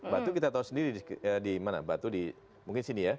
batu kita tahu sendiri di mana batu di mungkin sini ya